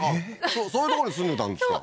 そういう所に住んでたんですか？